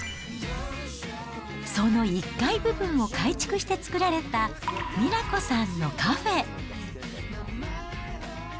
その１階部分を改築して作られた美奈子さんのカフェ。